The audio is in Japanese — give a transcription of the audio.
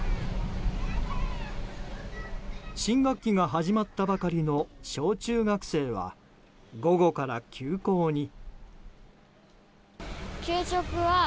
新学期が始まったばかりの小中学生は午後から休校に。